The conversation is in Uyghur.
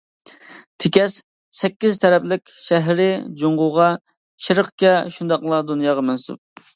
تېكەس سەككىز تەرەپلىك شەھىرى جۇڭگوغا، شەرققە شۇنداقلا دۇنياغا مەنسۇپ.